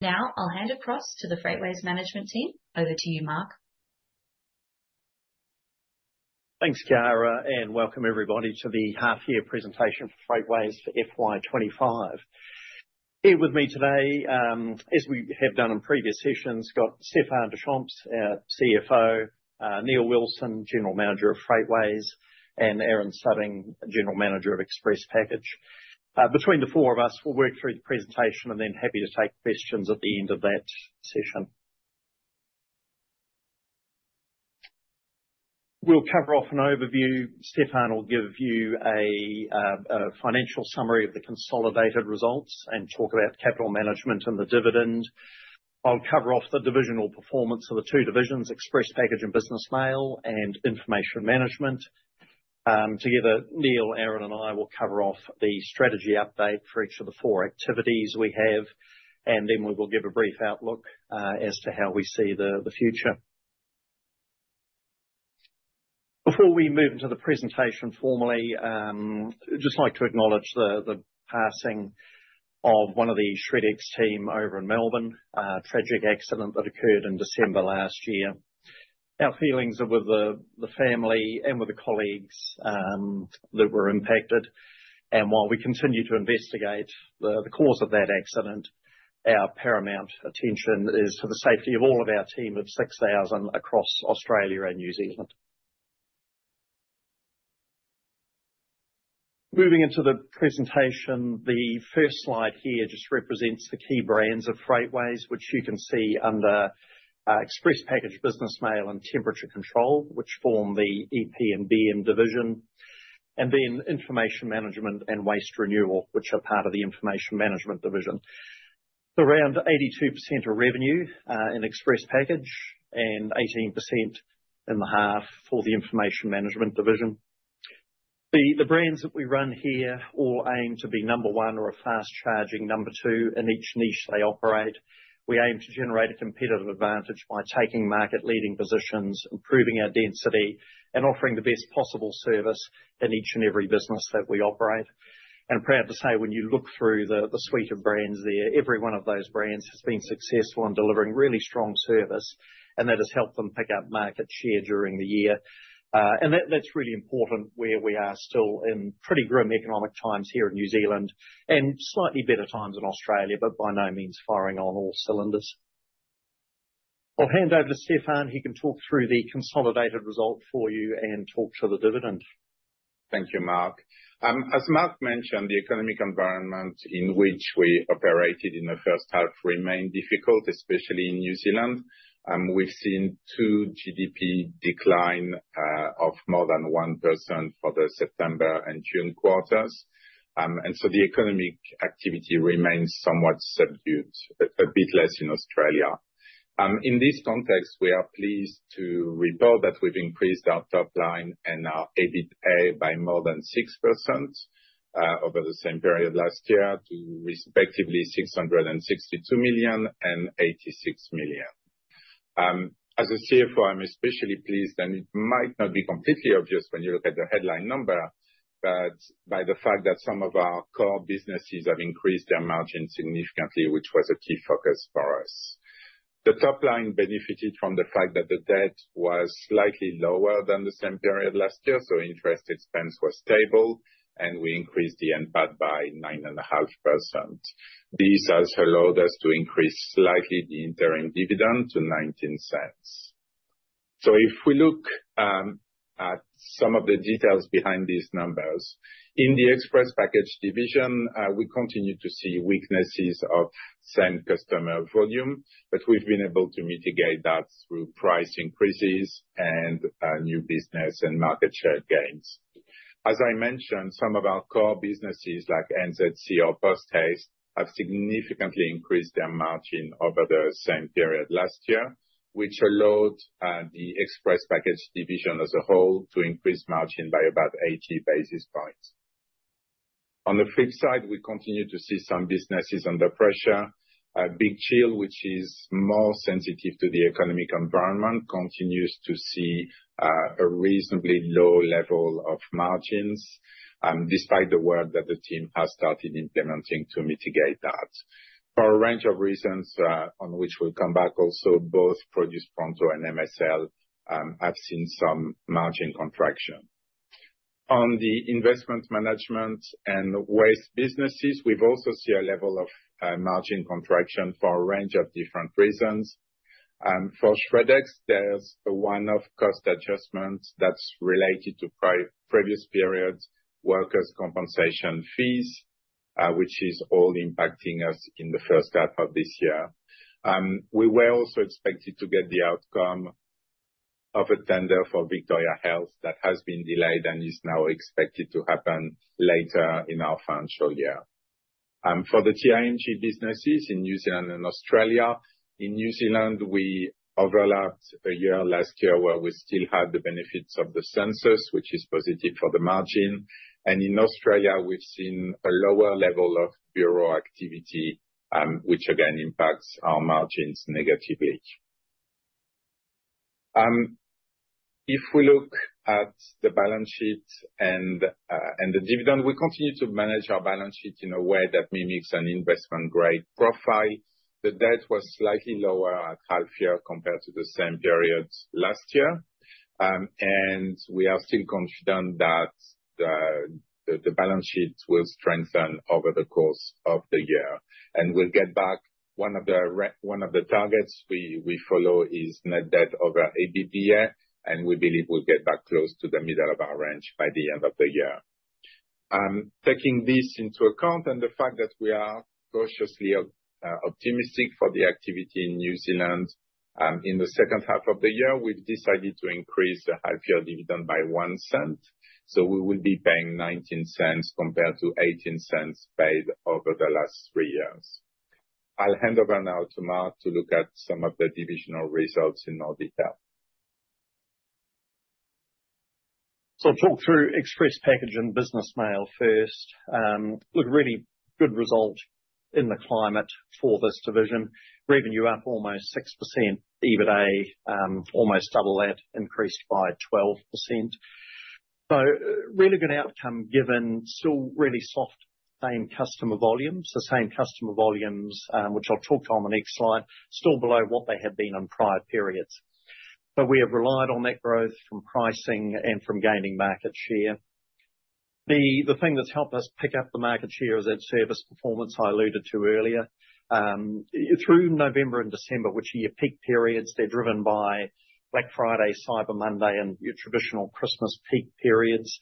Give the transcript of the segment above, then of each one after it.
Now I'll hand across to the Freightways management team. Over to you, Mark. Thanks, Chiara, and welcome everybody to the half-year presentation for Freightways for FY25. Here with me today, as we have done in previous sessions, got Stephan Deschamps, CFO, Neil Wilson, General Manager of Freightways, and Aaron Stubbing, General Manager of Express Package. Between the four of us, we'll work through the presentation and then happy to take questions at the end of that session. We'll cover off an overview. Stephan will give you a financial summary of the consolidated results and talk about capital management and the dividend. I'll cover off the divisional performance of the two divisions, Express Package and Business Mail, and Information Management. Together, Neil, Aaron, and I will cover off the strategy update for each of the four activities we have, and then we will give a brief outlook as to how we see the future. Before we move into the presentation formally, I'd just like to acknowledge the passing of one of the Shred-X team over in Melbourne, a tragic accident that occurred in December last year. Our feelings are with the family and with the colleagues that were impacted, and while we continue to investigate the cause of that accident, our paramount attention is to the safety of all of our team of 6,000 across Australia and New Zealand. Moving into the presentation, the first slide here just represents the key brands of Freightways, which you can see under Express Package, Business Mail, and Temperature Control, which form the EP and BM division, and then Information Management and Waste Renewal, which are part of the Information Management division. Around 82% of revenue in Express Package and 18% in the half for the Information Management division. The brands that we run here all aim to be number one or a fast charging number two in each niche they operate. We aim to generate a competitive advantage by taking market-leading positions, improving our density, and offering the best possible service in each and every business that we operate. And proud to say, when you look through the suite of brands there, every one of those brands has been successful in delivering really strong service, and that has helped them pick up market share during the year. And that's really important where we are still in pretty grim economic times here in New Zealand and slightly better times in Australia, but by no means firing on all cylinders. I'll hand over to Stephan. He can talk through the consolidated result for you and talk to the dividend. Thank you, Mark. As Mark mentioned, the economic environment in which we operated in the first half remained difficult, especially in New Zealand. We've seen two GDP declines of more than 1% for the September and June quarters, and so the economic activity remains somewhat subdued, a bit less in Australia. In this context, we are pleased to report that we've increased our top line and our EBITDA by more than 6% over the same period last year to respectively 662 million and 86 million. As a CFO, I'm especially pleased, and it might not be completely obvious when you look at the headline number, but by the fact that some of our core businesses have increased their margin significantly, which was a key focus for us. The top line benefited from the fact that the debt was slightly lower than the same period last year, so interest expense was stable, and we increased the EBITDA by 9.5%. This has allowed us to increase slightly the interim dividend to 0.19. So if we look at some of the details behind these numbers, in the Express Package division, we continue to see weaknesses of same customer volume, but we've been able to mitigate that through price increases and new business and market share gains. As I mentioned, some of our core businesses like New Zealand Couriers or Post Haste have significantly increased their margin over the same period last year, which allowed the Express Package division as a whole to increase margin by about 80 basis points. On the flip side, we continue to see some businesses under pressure. Big Chill, which is more sensitive to the economic environment, continues to see a reasonably low level of margins despite the work that the team has started implementing to mitigate that. For a range of reasons on which we'll come back, also both Produce Pronto and MSL have seen some margin contraction. On the information management and waste businesses, we've also seen a level of margin contraction for a range of different reasons. For Shred-X, there's a one-off cost adjustment that's related to previous period workers' compensation fees, which is all impacting us in the first half of this year. We were also expected to get the outcome of a tender for HealthShare Victoria that has been delayed and is now expected to happen later in our financial year. For the TIMG businesses in New Zealand and Australia, in New Zealand, we overlapped a year last year where we still had the benefits of the Census, which is positive for the margin, and in Australia, we've seen a lower level of bureau activity, which again impacts our margins negatively. If we look at the balance sheet and the dividend, we continue to manage our balance sheet in a way that mimics an investment-grade profile. The debt was slightly lower at half year compared to the same period last year, and we are still confident that the balance sheet will strengthen over the course of the year. We'll get back. One of the targets we follow is net debt over EBITDA, and we believe we'll get back close to the middle of our range by the end of the year. Taking this into account and the fact that we are cautiously optimistic for the activity in New Zealand in the second half of the year, we've decided to increase the half year dividend by 0.01, so we will be paying 0.19 compared to 0.18 paid over the last three years. I'll hand over now to Mark to look at some of the divisional results in more detail. So I'll talk through Express Package and Business Mail first. Look, really good result in the climate for this division. Revenue up almost 6%, EBITDA almost double that, increased by 12%. So really good outcome given still really soft same customer volumes, the same customer volumes, which I'll talk to on the next slide, still below what they had been in prior periods. But we have relied on that growth from pricing and from gaining market share. The thing that's helped us pick up the market share is that service performance I alluded to earlier. Through November and December, which are your peak periods, they're driven by Black Friday, Cyber Monday, and your traditional Christmas peak periods.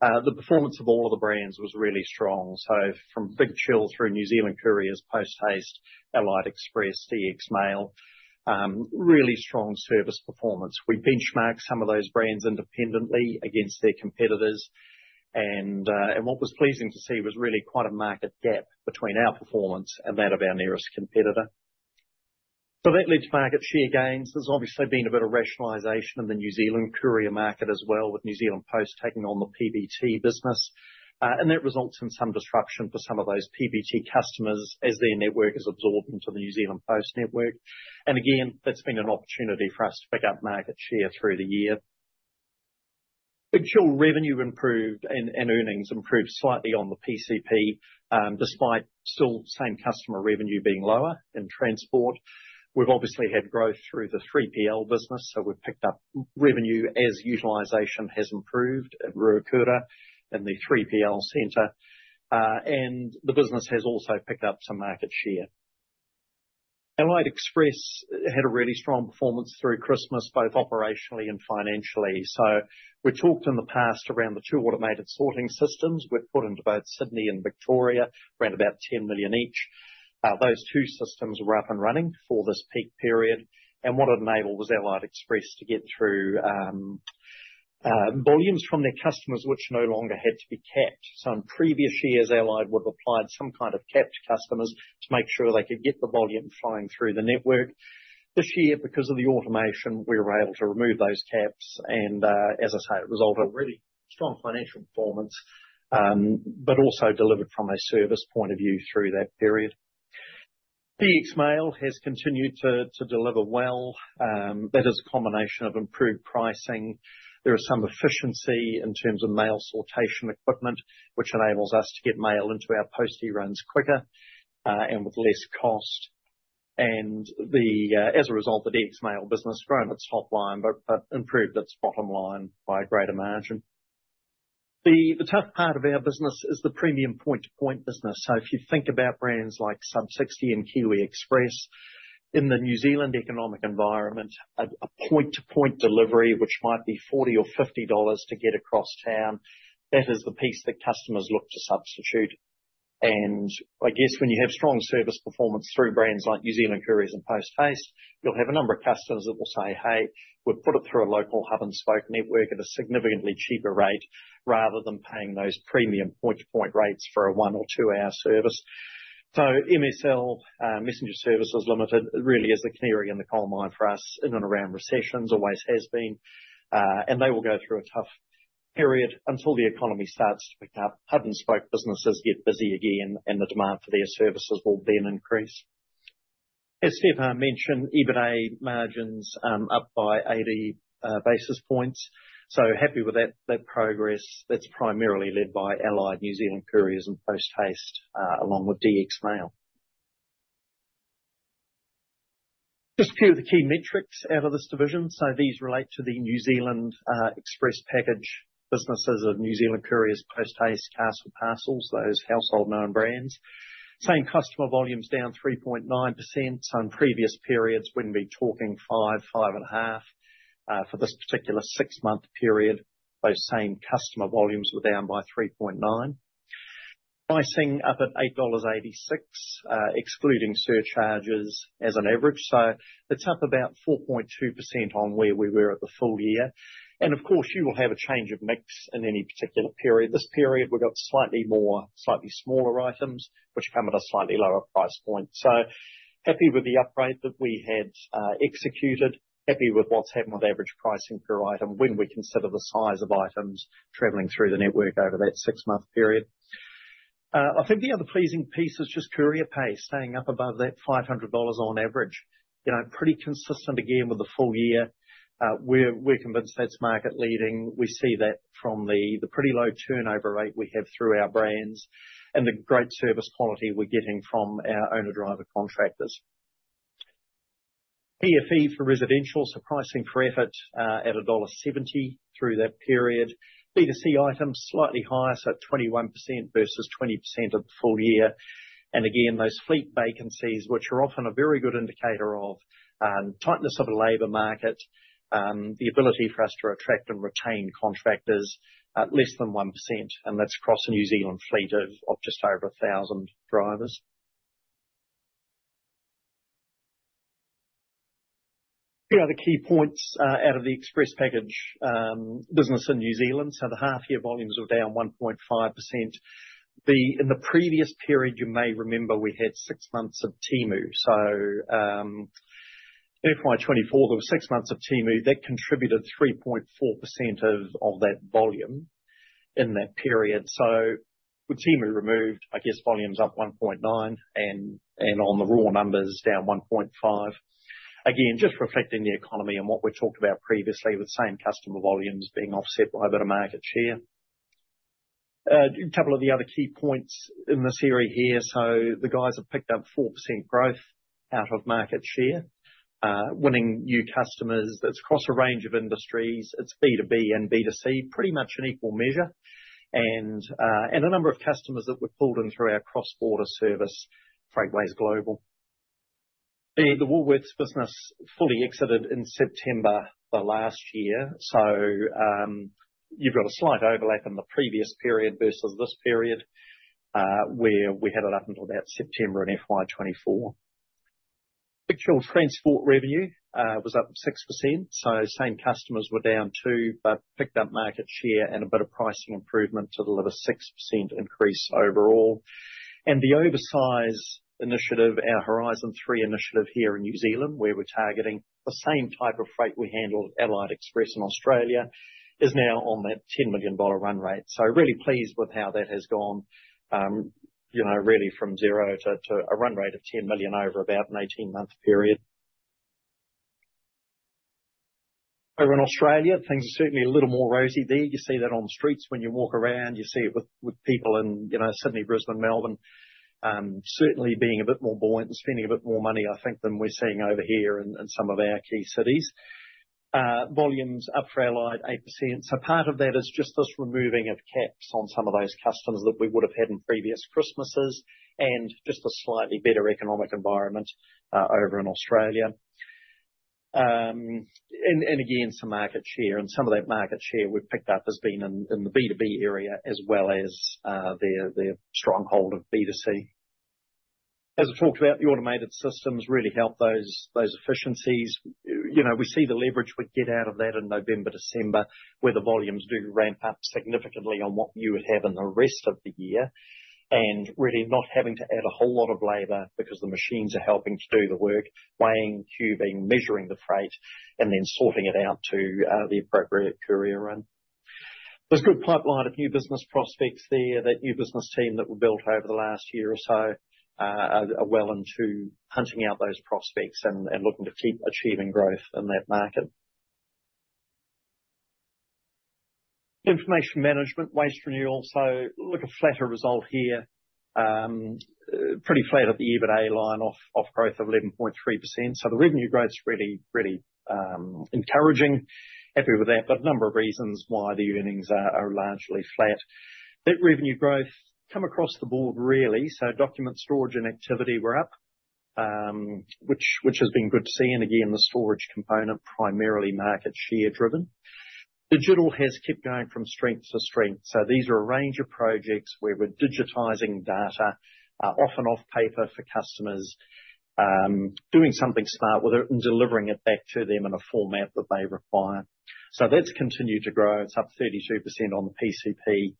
The performance of all of the brands was really strong. So from Big Chill through New Zealand Couriers, Post Haste, Allied Express, DX Mail, really strong service performance. We benchmarked some of those brands independently against their competitors, and what was pleasing to see was really quite a market gap between our performance and that of our nearest competitor. So that led to market share gains. There's obviously been a bit of rationalization in the New Zealand courier market as well, with New Zealand Post taking on the PBT business, and that results in some disruption for some of those PBT customers as their network is absorbed into the New Zealand Post network. And again, that's been an opportunity for us to pick up market share through the year. Big Chill revenue improved and earnings improved slightly on the PCP despite still same customer revenue being lower in transport. We've obviously had growth through the 3PL business, so we've picked up revenue as utilization has improved at Ruakura in the 3PL centre, and the business has also picked up some market share. Allied Express had a really strong performance through Christmas, both operationally and financially. So we talked in the past around the two automated sorting systems we've put into both Sydney and Victoria, around about 10 million each. Those two systems were up and running for this peak period, and what it enabled was Allied Express to get through volumes from their customers which no longer had to be capped. So in previous years, Allied would have applied some kind of cap to customers to make sure they could get the volume flowing through the network. This year, because of the automation, we were able to remove those caps, and as I say, it resulted in really strong financial performance, but also delivered from a service point of view through that period. DX Mail has continued to deliver well. That is a combination of improved pricing. There is some efficiency in terms of mail sortation equipment, which enables us to get mail into our post runs quicker and with less cost. And as a result, the DX Mail business has grown its top line but improved its bottom line by a greater margin. The tough part of our business is the premium point-to-point business. So if you think about brands like SUB60 and Kiwi Express, in the New Zealand economic environment, a point-to-point delivery, which might be 40 or 50 dollars to get across town, that is the piece that customers look to substitute. I guess when you have strong service performance through brands like New Zealand Couriers and Post Haste, you'll have a number of customers that will say, "Hey, we've put it through a local hub-and-spoke network at a significantly cheaper rate," rather than paying those premium point-to-point rates for a one or two-hour service. MSL, Messenger Services Limited, really is a canary in the coal mine for us in and around recessions, always has been, and they will go through a tough period until the economy starts to pick up. Hub-and-spoke businesses get busy again, and the demand for their services will then increase. As Stephan mentioned, EBITDA margins up by 80 basis points, so happy with that progress. That's primarily led by Allied, New Zealand Couriers and Post Haste, along with DX Mail. Just a few of the key metrics out of this division. These relate to the New Zealand Express Package businesses of New Zealand Couriers, Post Haste, Castle Parcels, those household known brands. Same customer volumes down 3.9%. In previous periods, we'd be talking 5%, 5.5%. For this particular six-month period, those same customer volumes were down by 3.9%. Pricing up at 8.86 dollars, excluding surcharges as an average, so it's up about 4.2% on where we were at the full year. Of course, you will have a change of mix in any particular period. This period, we've got slightly more, slightly smaller items which come at a slightly lower price point. Happy with the upgrade that we had executed, happy with what's happened with average pricing per item when we consider the size of items travelling through the network over that six-month period. I think the other pleasing piece is just courier pay, staying up above that 500 dollars on average. Pretty consistent again with the full year. We're convinced that's market leading. We see that from the pretty low turnover rate we have through our brands and the great service quality we're getting from our owner-driver contractors. PFE for residential, so pricing for effort at dollar 1.70 through that period. B2C items slightly higher, so 21% versus 20% of the full year. And again, those fleet vacancies, which are often a very good indicator of tightness of a labor market, the ability for us to attract and retain contractors at less than 1%, and that's across the New Zealand fleet of just over 1,000 drivers. Here are the key points out of the Express Package business in New Zealand. So the half year volumes were down 1.5%. In the previous period, you may remember we had six months of Temu. So FY24, there were six months of Temu. That contributed 3.4% of that volume in that period. So with Temu removed, I guess volumes up 1.9 and on the raw numbers down 1.5. Again, just reflecting the economy and what we talked about previously with same customer volumes being offset by a bit of market share. A couple of the other key points in this area here. So the guys have picked up 4% growth out of market share, winning new customers. It's across a range of industries. It's B2B and B2C, pretty much in equal measure, and a number of customers that were pulled in through our cross-border service, Freightways Global. The Woolworths business fully exited in September the last year, so you've got a slight overlap in the previous period versus this period where we had it up until about September in FY24. Big Chill transport revenue was up 6%. So same customers were down too, but picked up market share and a bit of pricing improvement to deliver 6% increase overall. And the oversize initiative, our Horizon 3 initiative here in New Zealand, where we're targeting the same type of freight we handle at Allied Express in Australia, is now on that 10 million dollar run rate. So really pleased with how that has gone, really from zero to a run rate of 10 million over about an 18-month period. Over in Australia, things are certainly a little more rosy there. You see that on the streets when you walk around. You see it with people in Sydney, Brisbane, Melbourne certainly being a bit more buoyant and spending a bit more money, I think, than we're seeing over here in some of our key cities. Volumes up for Allied 8%. So part of that is just this removing of caps on some of those customers that we would have had in previous Christmases and just a slightly better economic environment over in Australia. And again, some market share. And some of that market share we've picked up has been in the B2B area as well as their stronghold of B2C. As I talked about, the automated systems really help those efficiencies. We see the leverage we get out of that in November, December, where the volumes do ramp up significantly on what you would have in the rest of the year, and really not having to add a whole lot of labor because the machines are helping to do the work, weighing, tubing, measuring the freight, and then sorting it out to the appropriate courier run. There's a good pipeline of new business prospects there, that new business team that we built over the last year or so are well into hunting out those prospects and looking to keep achieving growth in that market. Information Management, Waste Renewal. So look at flatter result here, pretty flat at the EBITDA line off growth of 11.3%. So the revenue growth's really encouraging. Happy with that, but a number of reasons why the earnings are largely flat. Net revenue growth came across the board really. Document storage and activity were up, which has been good to see. Again, the storage component primarily market share driven. Digital has kept going from strength to strength. These are a range of projects where we're digitizing data off paper for customers, doing something smart with it and delivering it back to them in a format that they require. That's continued to grow. It's up 32% on the PCP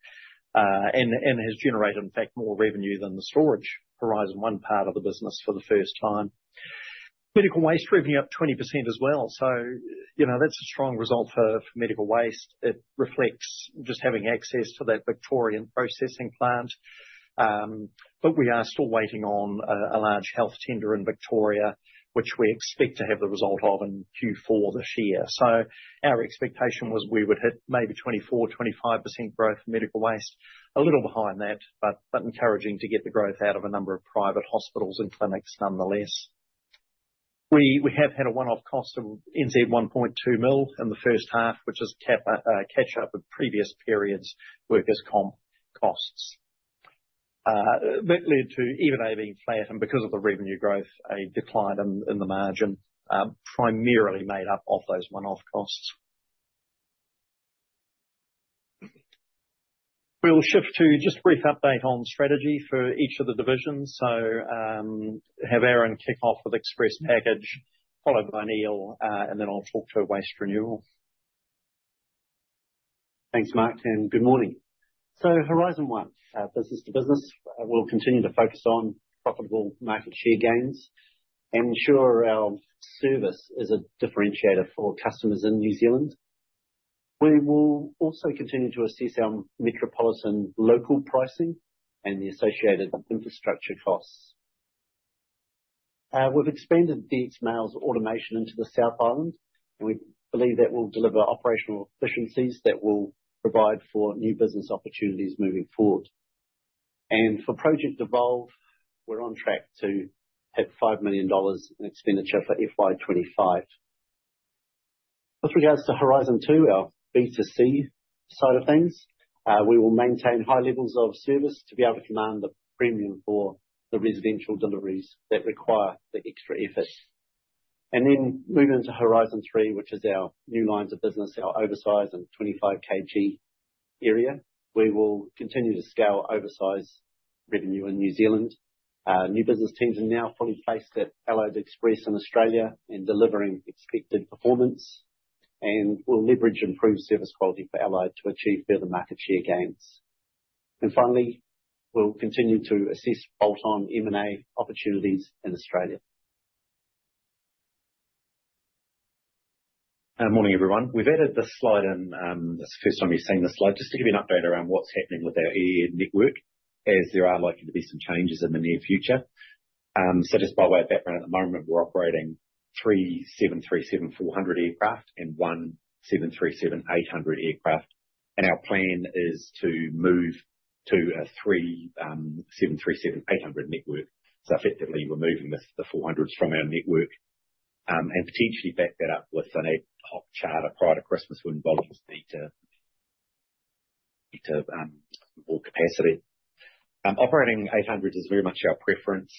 and has generated, in fact, more revenue than the storage Horizon 1 part of the business for the first time. Medical waste revenue up 20% as well. That's a strong result for medical waste. It reflects just having access to that Victorian processing plant. But we are still waiting on a large health tender in Victoria, which we expect to have the result of in Q4 this year. So our expectation was we would hit maybe 24%-25% growth in medical waste, a little behind that, but encouraging to get the growth out of a number of private hospitals and clinics nonetheless. We have had a one-off cost of 1.2 million in the first half, which is a catch-up of previous periods' workers' comp costs. That led to EBITDA being flat, and because of the revenue growth, a decline in the margin primarily made up of those one-off costs. We'll shift to just a brief update on strategy for each of the divisions. So have Aaron kick off with Express Package, followed by Neil, and then I'll talk to Waste Renewal. Thanks, Mark, and good morning. So Horizon 1, business to business, we'll continue to focus on profitable market share gains and ensure our service is a differentiator for customers in New Zealand. We will also continue to assess our metropolitan local pricing and the associated infrastructure costs. We've expanded DX Mail's automation into the South Island, and we believe that will deliver operational efficiencies that will provide for new business opportunities moving forward. And for Project Evolve, we're on track to have 5 million dollars in expenditure for FY25. With regards to Horizon 2, our B2C side of things, we will maintain high levels of service to be able to command the premium for the residential deliveries that require the extra efforts. And then moving to Horizon 3, which is our new lines of business, our oversize and 25 kg area, we will continue to scale oversize revenue in New Zealand. New business teams are now fully placed at Allied Express in Australia and delivering expected performance, and we'll leverage improved service quality for Allied to achieve further market share gains. And finally, we'll continue to assess bolt-on M&A opportunities in Australia. Morning, everyone. We've added this slide in. It's the first time you've seen this slide. Just to give you an update around what's happening with our air network, as there are likely to be some changes in the near future. So just by way of background at the moment, we're operating three 737-400 aircraft and one 737-800 aircraft. And our plan is to move to a three 737-800 network. So effectively, we're moving the 400s from our network and potentially back that up with an ad hoc charter prior to Christmas when volumes need to be to more capacity. Operating 800 is very much our preference.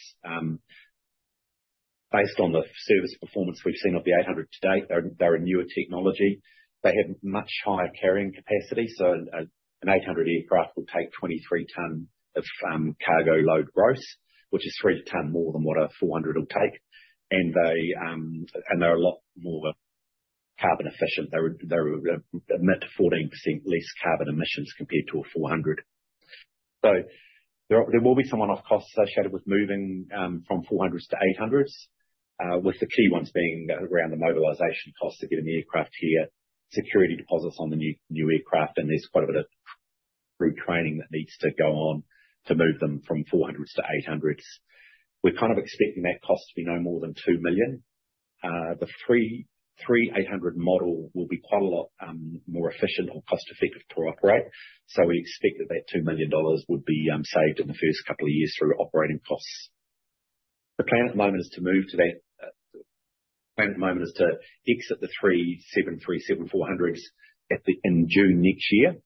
Based on the service performance we've seen of the 800 to date, they're a newer technology. They have much higher carrying capacity. So a 737-800 aircraft will take 23 tons of cargo load gross, which is three tons more than what a 737-400 will take. And they're a lot more carbon efficient. They're a net 14% less carbon emissions compared to a 737-400. So there will be some one-off costs associated with moving from 737-400s to 737-800s, with the key ones being around the mobilisation costs to get an aircraft here, security deposits on the new aircraft, and there's quite a bit of retraining that needs to go on to move them from 737-400s to 737-800s. We're kind of expecting that cost to be no more than 2 million. The 737-800 model will be quite a lot more efficient or cost-effective to operate. So we expect that that 2 million dollars would be saved in the first couple of years through operating costs. The plan at the moment is to exit the three 737-400s in June next year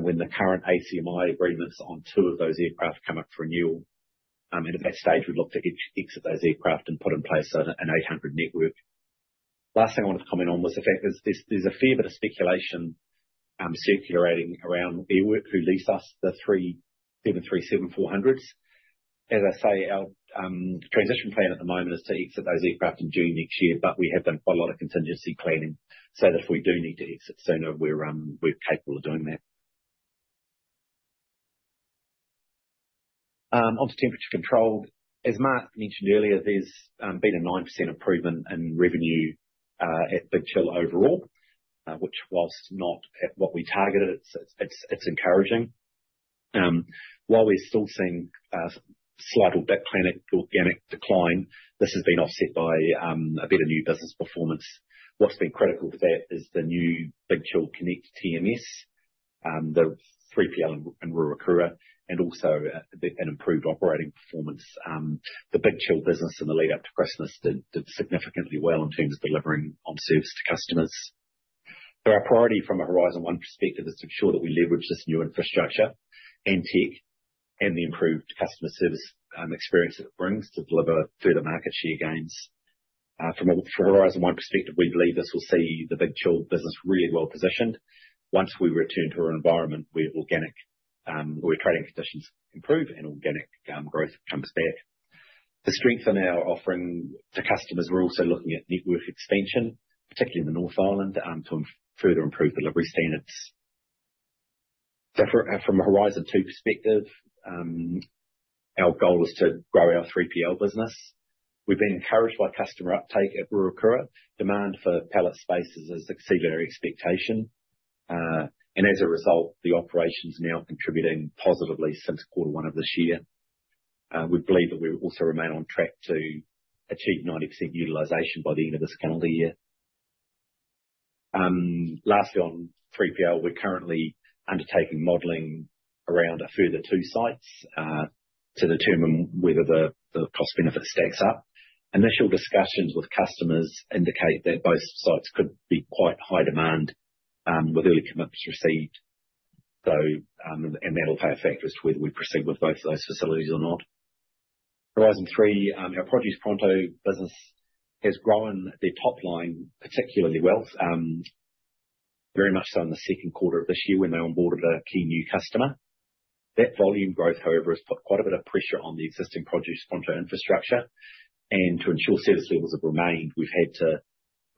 when the current ACMI agreements on two of those aircraft come up for renewal, and at that stage, we'd look to exit those aircraft and put in place a 737-800 network. The last thing I wanted to comment on was the fact there's a fair bit of speculation circulating around who leases us the three 737-400s. As I say, our transition plan at the moment is to exit those aircraft in June next year, but we have done quite a lot of contingency planning so that if we do need to exit sooner, we're capable of doing that. Onto temperature control. As Mark mentioned earlier, there's been a 9% improvement in revenue at Big Chill overall, which, while not at what we targeted, it's encouraging. While we're still seeing a slight organic decline, this has been offset by a bit of new business performance. What's been critical to that is the new Big Chill Connect TMS, the 3PL in Ruakura, and also an improved operating performance. The Big Chill business in the lead-up to Christmas did significantly well in terms of delivering on service to customers. So our priority from a Horizon 1 perspective is to ensure that we leverage this new infrastructure and tech and the improved customer service experience that it brings to deliver further market share gains. From a Horizon 1 perspective, we believe this will see the Big Chill business really well positioned once we return to an environment where organic trading conditions improve and organic growth comes back. To strengthen our offering to customers, we're also looking at network expansion, particularly in the North Island, to further improve delivery standards. From a Horizon 2 perspective, our goal is to grow our 3PL business. We've been encouraged by customer uptake at Ruakura. Demand for pallet spaces has exceeded our expectation, and as a result, the operation's now contributing positively since Quarter 1 of this year. We believe that we will also remain on track to achieve 90% utilization by the end of this calendar year. Lastly, on 3PL, we're currently undertaking modeling around a further two sites to determine whether the cost-benefit stacks up. Initial discussions with customers indicate that both sites could be quite high demand with early commitments received, and that'll play a factor as to whether we proceed with both of those facilities or not. Horizon 3, our Produce Pronto business has grown their top line particularly well, very much so in the second quarter of this year when they onboarded a key new customer. That volume growth, however, has put quite a bit of pressure on the existing Produce Pronto infrastructure. And to ensure service levels have remained, we've had to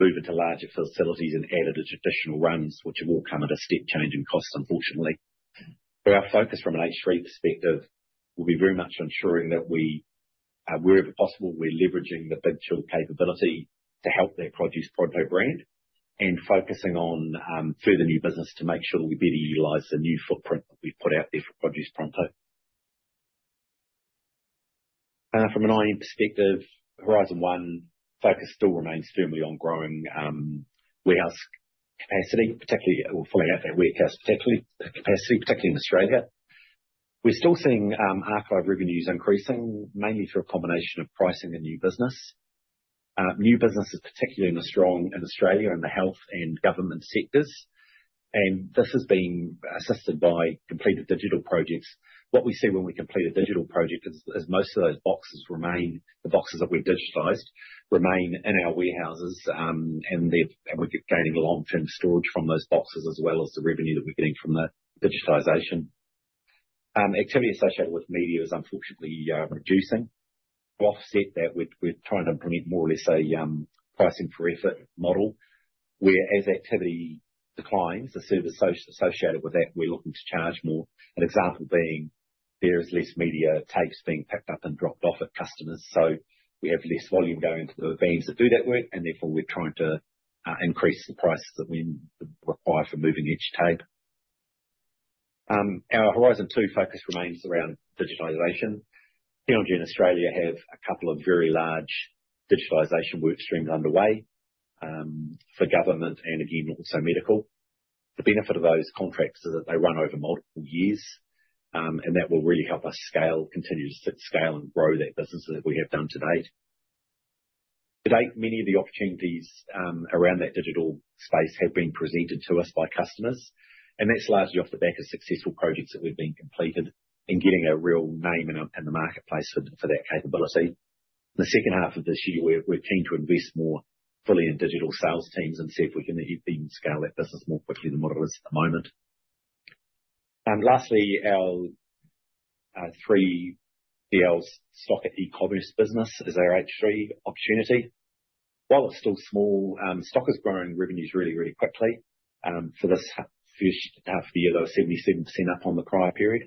move into larger facilities and added additional runs, which will come at a step-changing cost, unfortunately. So our focus from an H3 perspective will be very much ensuring that we, wherever possible, we're leveraging the Big Chill capability to help their Produce Pronto brand and focusing on further new business to make sure that we better utilize the new footprint that we've put out there for Produce Pronto. From an IM perspective, Horizon 1 focus still remains firmly on growing warehouse capacity, particularly or filling out that warehouse capacity, particularly in Australia. We're still seeing archive revenues increasing, mainly through a combination of pricing and new business. New business is particularly strong in Australia in the health and government sectors. And this has been assisted by completed digital projects. What we see when we complete a digital project is most of those boxes remain, the boxes that we've digitized, remain in our warehouses, and we're gaining long-term storage from those boxes as well as the revenue that we're getting from the digitization. Activity associated with media is unfortunately reducing. To offset that, we're trying to implement more or less a pricing-for-effort model where, as activity declines, the service associated with that, we're looking to charge more. An example being, there is less media tapes being picked up and dropped off at customers. So we have less volume going to the vans that do that work, and therefore we're trying to increase the prices that we require for moving each tape. Our Horizon 2 focus remains around digitization. Here in Australia, we have a couple of very large digitization work streams underway for government and, again, also medical. The benefit of those contracts is that they run over multiple years, and that will really help us scale, continue to scale and grow that business that we have done to date. To date, many of the opportunities around that digital space have been presented to us by customers, and that's largely off the back of successful projects that we've completed and getting a real name in the marketplace for that capability. In the second half of this year, we're keen to invest more fully in digital sales teams and see if we can even scale that business more quickly than what it is at the moment. Lastly, our 3PL's Stocka e-commerce business is our H3 opportunity. While it's still small, Stocka is growing revenues really, really quickly. For this first half of the year, they were 77% up on the prior period.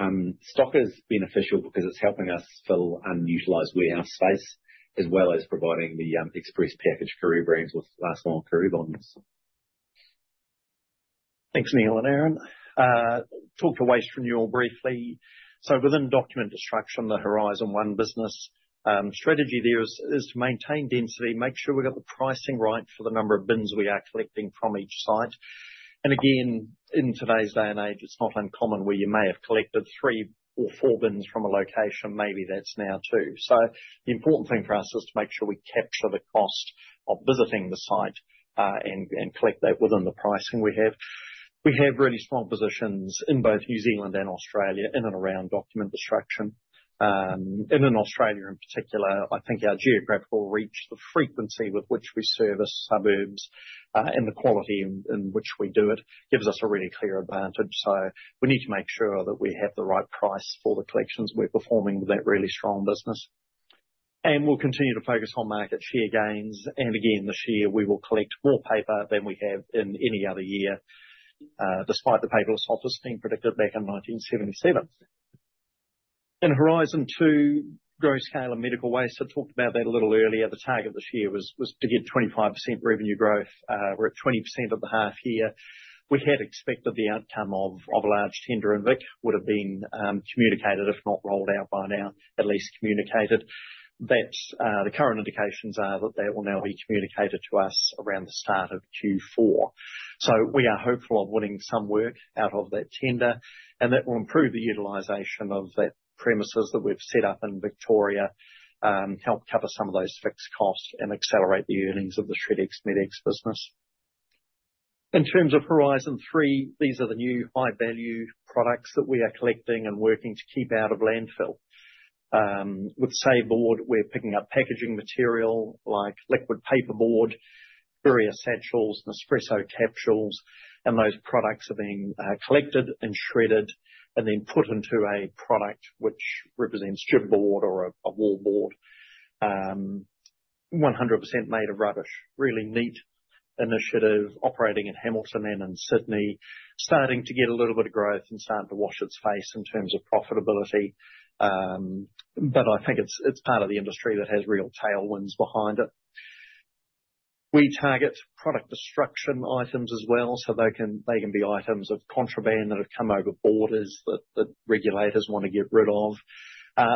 Stocka is beneficial because it's helping us fill unutilized warehouse space as well as providing the express package courier brands with last mile courier bonds. Thanks, Neil and Aaron. Talk to Waste Renewal briefly. So within document destruction, the Horizon 1 business strategy there is to maintain density, make sure we've got the pricing right for the number of bins we are collecting from each site. Again, in today's day and age, it's not uncommon where you may have collected three or four bins from a location, maybe that's now two. So the important thing for us is to make sure we capture the cost of visiting the site and collect that within the pricing we have. We have really strong positions in both New Zealand and Australia in and around document destruction. In Australia in particular, I think our geographical reach, the frequency with which we service suburbs, and the quality in which we do it gives us a really clear advantage. So we need to make sure that we have the right price for the collections we're performing with that really strong business. And we'll continue to focus on market share gains. And again, this year, we will collect more paper than we have in any other year, despite the paperless office being predicted back in 1977. In Horizon 2, growth scale and medical waste, I talked about that a little earlier. The target this year was to get 25% revenue growth. We're at 20% of the half year. We had expected the outcome of a large tender in Vic would have been communicated, if not rolled out by now, at least communicated. The current indications are that that will now be communicated to us around the start of Q4. So we are hopeful of winning some work out of that tender, and that will improve the utilization of that premises that we've set up in Victoria, help cover some of those fixed costs, and accelerate the earnings of the Shred-X Med-X business. In terms of Horizon 3, these are the new high-value products that we are collecting and working to keep out of landfill. With Saveboard, we're picking up packaging material like liquid paperboard, various satchels, Nespresso capsules, and those products are being collected and shredded and then put into a product which represents chipboard or a wall board, 100% made of rubbish. Really neat initiative operating in Hamilton and in Sydney, starting to get a little bit of growth and starting to wash its face in terms of profitability. But I think it's part of the industry that has real tailwinds behind it. We target product destruction items as well. So they can be items of contraband that have come over borders that regulators want to get rid of,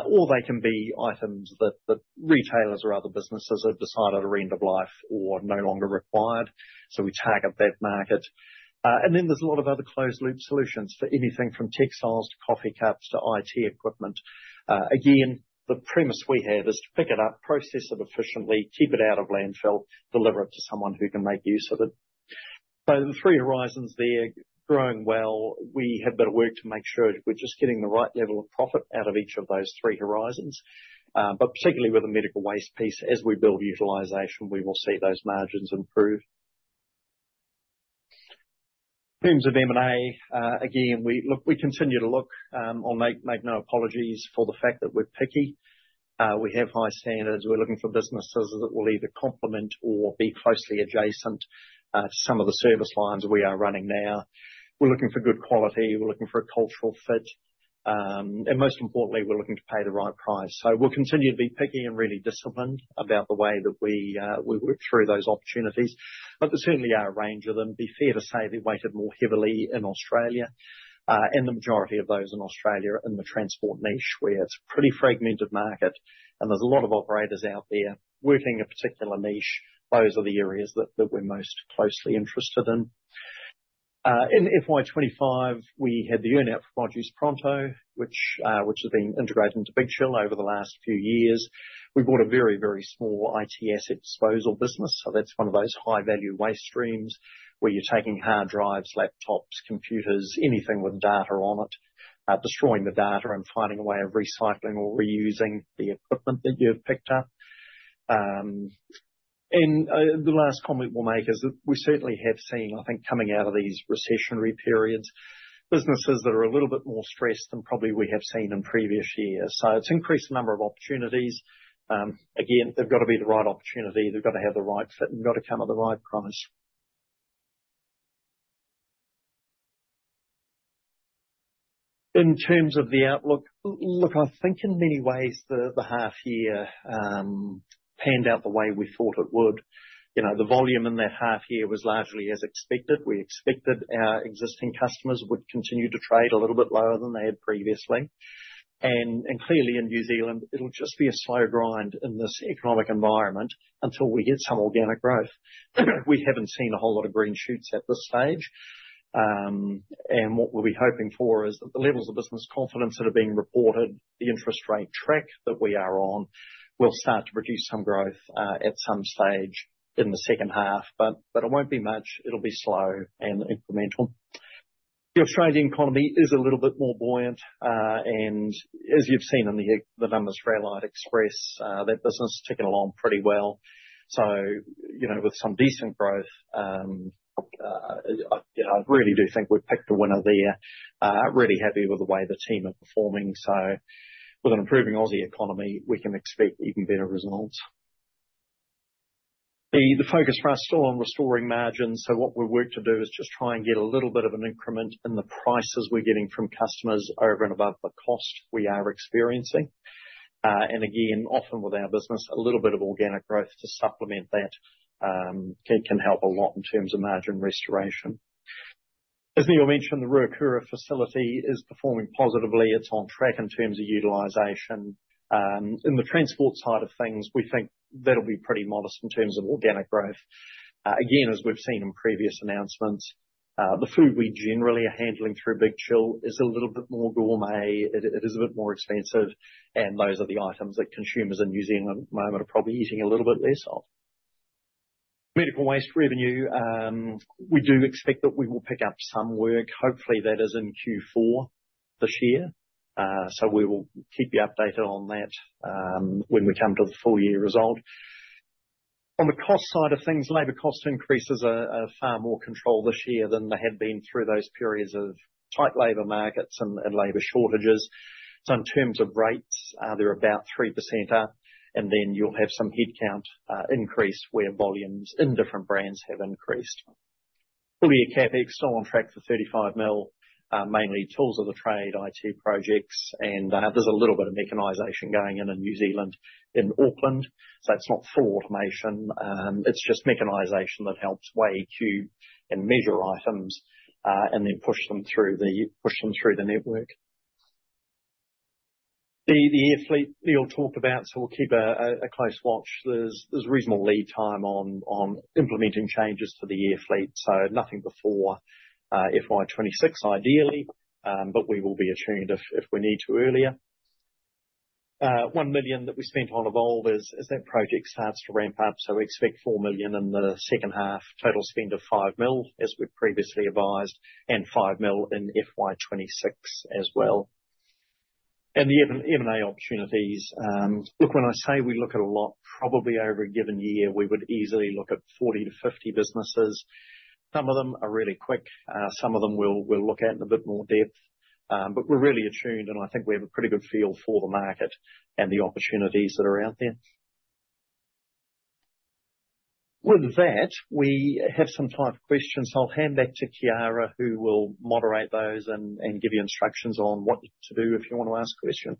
or they can be items that retailers or other businesses have decided are end of life or no longer required. So we target that market. And then there's a lot of other closed-loop solutions for anything from textiles to coffee cups to IT equipment. Again, the premise we have is to pick it up, process it efficiently, keep it out of landfill, deliver it to someone who can make use of it. So the three horizons there growing well. We have better work to make sure we're just getting the right level of profit out of each of those three horizons. But particularly with the medical waste piece, as we build utilisation, we will see those margins improve. In terms of M&A, again, we continue to look. I'll make no apologies for the fact that we're picky. We have high standards. We're looking for businesses that will either complement or be closely adjacent to some of the service lines we are running now. We're looking for good quality. We're looking for a cultural fit, and most importantly, we're looking to pay the right price, so we'll continue to be picky and really disciplined about the way that we work through those opportunities, but there certainly are a range of them. It's fair to say they're weighted more heavily in Australia, and the majority of those in Australia are in the transport niche where it's a pretty fragmented market, and there's a lot of operators out there working a particular niche. Those are the areas that we're most closely interested in. In FY25, we had the earning out for Produce Pronto, which has been integrated into Big Chill over the last few years. We bought a very, very small IT asset disposal business. So that's one of those high-value waste streams where you're taking hard drives, laptops, computers, anything with data on it, destroying the data and finding a way of recycling or reusing the equipment that you've picked up. And the last comment we'll make is that we certainly have seen, I think, coming out of these recessionary periods, businesses that are a little bit more stressed than probably we have seen in previous years. So it's increased the number of opportunities. Again, they've got to be the right opportunity. They've got to have the right fit and got to come at the right price. In terms of the outlook, look, I think in many ways the half year panned out the way we thought it would. The volume in that half year was largely as expected. We expected our existing customers would continue to trade a little bit lower than they had previously. And clearly in New Zealand, it'll just be a slow grind in this economic environment until we get some organic growth. We haven't seen a whole lot of green shoots at this stage. And what we'll be hoping for is that the levels of business confidence that are being reported, the interest rate track that we are on, will start to produce some growth at some stage in the second half. But it won't be much. It'll be slow and incremental. The Australian economy is a little bit more buoyant. And as you've seen in the numbers for Allied Express, that business is ticking along pretty well. So with some decent growth, I really do think we've picked a winner there. Really happy with the way the team are performing. So with an improving Aussie economy, we can expect even better results. The focus for us is still on restoring margins. So what we've worked to do is just try and get a little bit of an increment in the prices we're getting from customers over and above the cost we are experiencing. And again, often with our business, a little bit of organic growth to supplement that can help a lot in terms of margin restoration. As Neil mentioned, the Ruakura facility is performing positively. It's on track in terms of utilization. In the transport side of things, we think that'll be pretty modest in terms of organic growth. Again, as we've seen in previous announcements, the food we generally are handling through Big Chill is a little bit more gourmet. It is a bit more expensive. Those are the items that consumers in New Zealand at the moment are probably eating a little bit less of. Medical waste revenue. We do expect that we will pick up some work. Hopefully, that is in Q4 this year. We will keep you updated on that when we come to the full year result. On the cost side of things, labor cost increases are far more controlled this year than they had been through those periods of tight labor markets and labor shortages. In terms of rates, they're about 3% up. Then you'll have some headcount increase where volumes in different brands have increased. Full CapEx, still on track for 35 million, mainly tools of the trade, IT projects. There's a little bit of mechanization going on in New Zealand in Auckland. It's not full automation. It's just mechanization that helps weigh, queue, and measure items and then push them through the network. The air fleet, Neil talked about, so we'll keep a close watch. There's reasonable lead time on implementing changes to the air fleet. So nothing before FY26, ideally, but we will be attuned if we need to earlier. 1 million that we spent on Evolve as that project starts to ramp up. So we expect 4 million in the second half, total spend of 5 mil, as we've previously advised, and 5 mil in FY26 as well. And the M&A opportunities, look, when I say we look at a lot, probably over a given year, we would easily look at 40 to 50 businesses. Some of them are really quick. Some of them we'll look at in a bit more depth. But we're really attuned, and I think we have a pretty good feel for the market and the opportunities that are out there. With that, we have some time for questions. I'll hand back to Chiara, who will moderate those and give you instructions on what to do if you want to ask a question.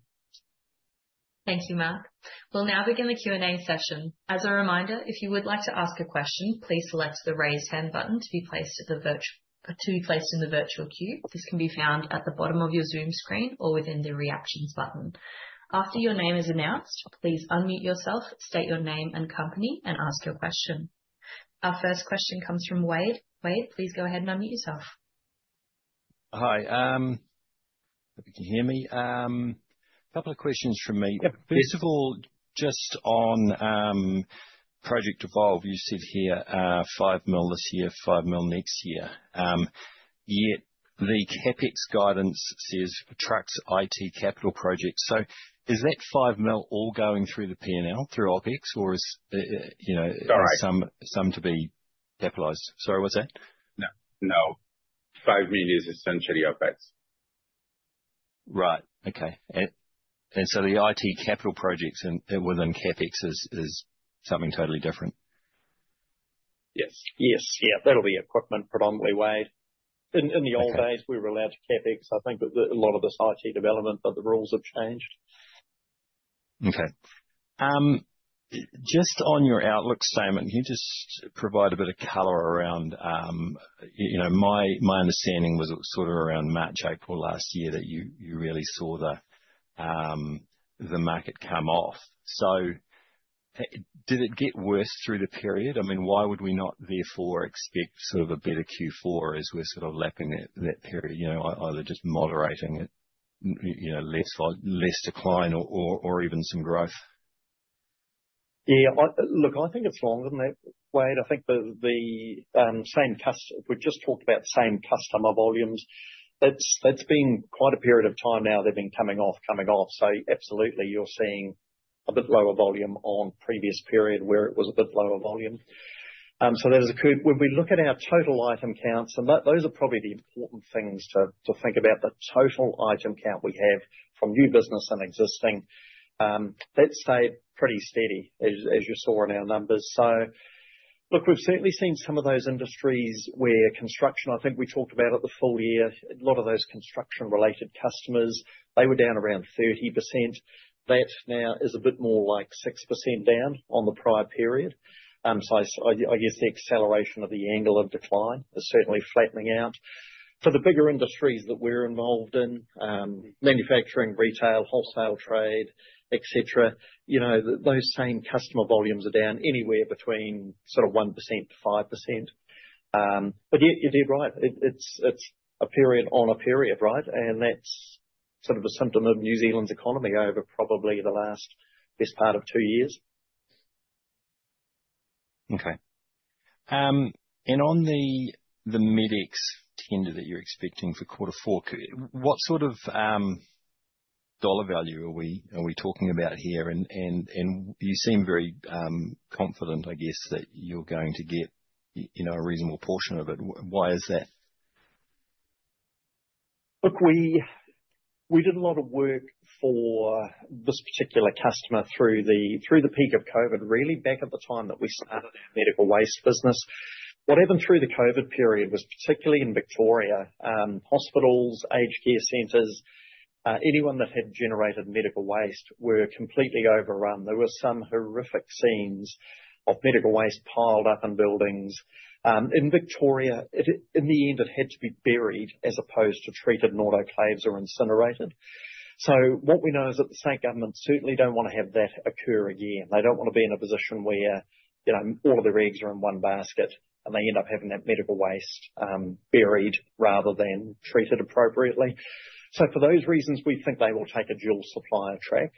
Thank you, Mark. We'll now begin the Q&A session. As a reminder, if you would like to ask a question, please select the raise hand button to be placed in the virtual queue. This can be found at the bottom of your Zoom screen or within the reactions button. After your name is announced, please unmute yourself, state your name and company, and ask your question. Our first question comes from Wade. Wade, please go ahead and unmute yourself. Hi. Hope you can hear me. A couple of questions from me. Yep. First of all, just on Project Evolve, you said here, 5 million this year, 5 million next year. Yet the CapEx guidance says for trucks, IT, capital projects. So is that 5 million all going through the P&L, through OpEx, or is some to be capitalized? Sorry, what's that? No. No. Five million is essentially OpEx. Right. Okay. And so the IT capital projects within CapEx is something totally different? Yes. Yes. Yeah. That'll be equipment predominantly, Wade. In the old days, we were allowed to CapEx, I think, a lot of this IT development, but the rules have changed. Okay. Just on your outlook statement, can you just provide a bit of color around my understanding was sort of around March, April last year that you really saw the market come off. So did it get worse through the period? I mean, why would we not therefore expect sort of a better Q4 as we're sort of lapping that period, either just moderating it, less decline or even some growth? Yeah. Look, I think it's longer than that, Wade. I think the same customer, we just talked about the same customer volumes. It's been quite a period of time now. They've been coming off, coming off. So absolutely, you're seeing a bit lower volume on previous period where it was a bit lower volume. So that has occurred. When we look at our total item counts, and those are probably the important things to think about, the total item count we have from new business and existing, that stayed pretty steady, as you saw in our numbers. So look, we've certainly seen some of those industries where construction, I think we talked about it the full year, a lot of those construction-related customers, they were down around 30%. That now is a bit more like 6% down on the prior period. So I guess the acceleration of the angle of decline is certainly flattening out. For the bigger industries that we're involved in, manufacturing, retail, wholesale trade, etc., those same customer volumes are down anywhere between sort of 1% to 5%. But yeah, you're right. It's a period on a period, right? And that's sort of a symptom of New Zealand's economy over probably the last best part of two years. Okay. And on the Med-X tender that you're expecting for Q4, what sort of dollar value are we talking about here? You seem very confident, I guess, that you're going to get a reasonable portion of it. Why is that? Look, we did a lot of work for this particular customer through the peak of COVID, really, back at the time that we started our medical waste business. What happened through the COVID period was, particularly in Victoria, hospitals, aged care centers, anyone that had generated medical waste were completely overrun. There were some horrific scenes of medical waste piled up in buildings. In Victoria, in the end, it had to be buried as opposed to treated in autoclaves or incinerated. So what we know is that the state government certainly don't want to have that occur again. They don't want to be in a position where all of their eggs are in one basket, and they end up having that medical waste buried rather than treated appropriately. So for those reasons, we think they will take a dual supply track.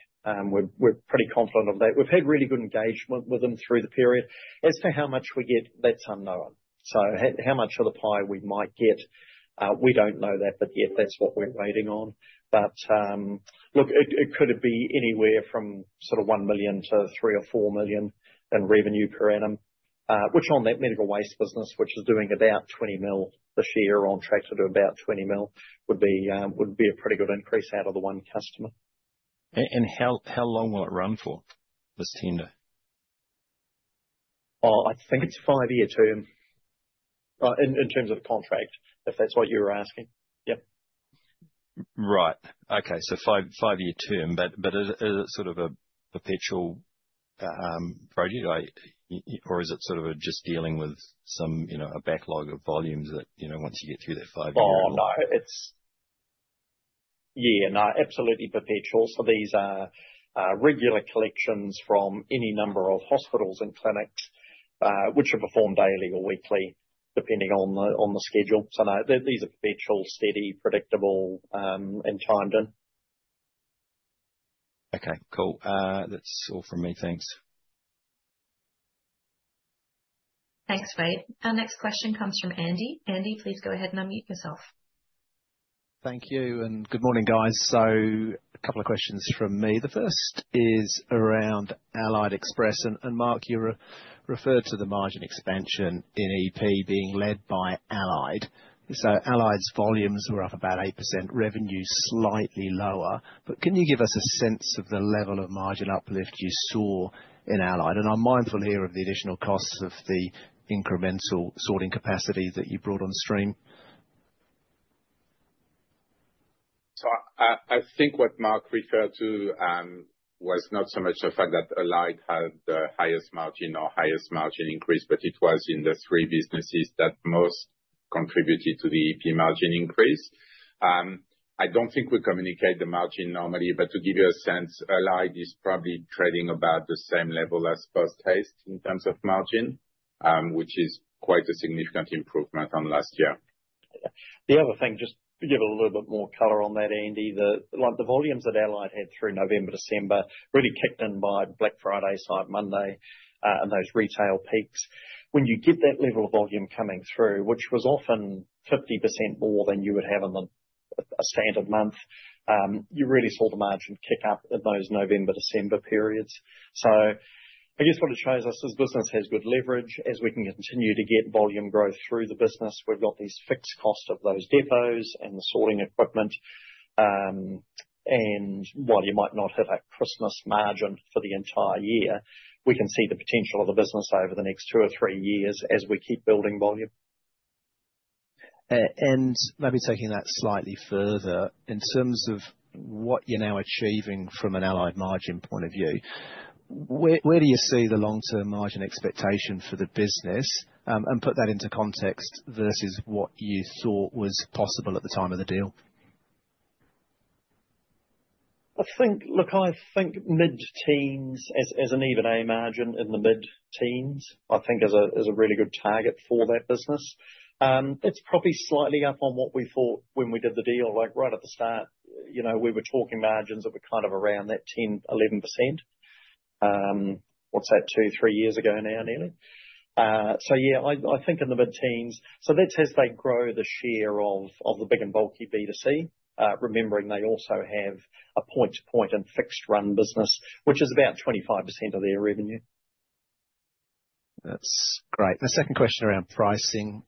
We're pretty confident of that. We've had really good engagement with them through the period. As to how much we get, that's unknown. So how much of the pie we might get, we don't know that, but yet that's what we're waiting on. But look, it cou ld be anywhere from sort of 1 million to 3 million or 4 million in revenue per annum, which on that medical waste business, which is doing about 20 million this year or on track to do about 20 million, would be a pretty good increase out of the one customer. And how long will it run for, this tender? I think it's a five-year term. In terms of the contract, if that's what you're asking. Yeah. Right. Okay. So five-year term, but is it sort of a perpetual project, or is it sort of just dealing with a backlog of volumes that once you get through that five-year? Oh, no. Yeah. No, absolutely perpetual. So these are regular collections from any number of hospitals and clinics, which are performed daily or weekly, depending on the schedule. So these are perpetual, steady, predictable, and timed in. Okay. Cool. That's all from me. Thanks. Thanks, Wade. Our next question comes from Andy. Andy, please go ahead and unmute yourself. Thank you. And good morning, guys. So a couple of questions from me. The first is around Allied Express. And Mark, you referred to the margin expansion in EP being led by Allied. So Allied's volumes were up about 8%, revenue slightly lower. But can you give us a sense of the level of margin uplift you saw in Allied? I'm mindful here of the additional costs of the incremental sorting capacity that you brought on stream? I think what Mark referred to was not so much the fact that Allied had the highest margin or highest margin increase, but it was in the three businesses that most contributed to the EP margin increase. I don't think we communicate the margin normally, but to give you a sense, Allied is probably trading about the same level as Post Haste in terms of margin, which is quite a significant improvement on last year. The other thing, just to give a little bit more color on that, Andy, the volumes that Allied had through November, December really kicked in by Black Friday, Cyber Monday, and those retail peaks. When you get that level of volume coming through, which was often 50% more than you would have in a standard month, you really saw the margin kick up in those November, December periods. So I guess what it shows us is business has good leverage. As we can continue to get volume growth through the business, we've got these fixed costs of those depots and the sorting equipment. And while you might not have a Christmas margin for the entire year, we can see the potential of the business over the next two or three years as we keep building volume. And maybe taking that slightly further, in terms of what you're now achieving from an Allied margin point of view, where do you see the long-term margin expectation for the business? And put that into context versus what you thought was possible at the time of the deal. Look, I think mid-teens as an EBITDA margin in the mid-teens, I think, is a really good target for that business. It's probably slightly up on what we thought when we did the deal. Right at the start, we were talking margins that were kind of around that 10% to 11%. What's that? Two, three years ago now, nearly. So yeah, I think in the mid-teens. So that's as they grow the share of the big and bulky B2C, remembering they also have a point-to-point and fixed-run business, which is about 25% of their revenue. That's great. My second question around pricing.